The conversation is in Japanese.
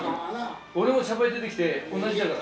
俺も娑婆へ出てきて同じだから。